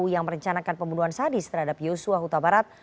yang merencanakan pembunuhan sadis terhadap yosua huta barat